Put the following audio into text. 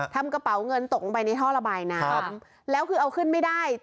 ทำกระเป๋าเงินตกลงไปในท่อระบายน้ำแล้วคือเอาขึ้นไม่ได้